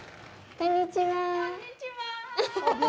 こんにちは。